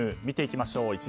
見ていきましょう。